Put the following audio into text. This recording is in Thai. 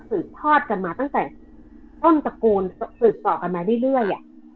สืบทอดกันมาตั้งแต่ต้นตระกูลสืบต่อกันมาเรื่อย